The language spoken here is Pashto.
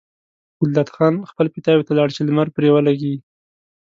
ګلداد خان خپل پیتاوي ته لاړ چې لمر پرې ولګي.